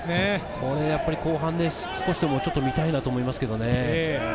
後半少しでも見たいなと思いますけれどね。